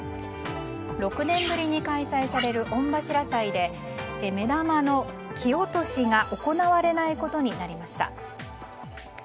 ６年ぶりに開催される御柱祭で目玉の木落としが行われたことになりました。